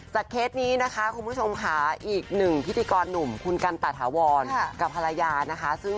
เคสนี้นะคะคุณผู้ชมค่ะอีกหนึ่งพิธีกรหนุ่มคุณกันตาถาวรกับภรรยานะคะ